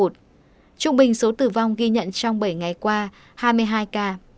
trung bình số tử vong ghi nhận trong bảy ngày qua hai mươi hai ca